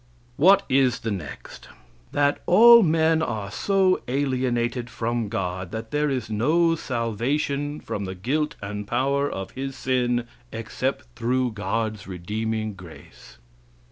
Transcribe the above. What is the next? "That all men are so alienated from God that there is no salvation from the guilt and power of his sin except through God's redeeming grace."